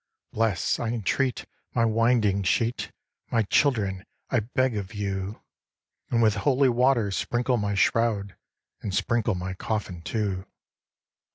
'Bless, I entreat, my winding sheet, My children, I beg of you; And with holy water sprinkle my shroud, And sprinkle my coffin, too.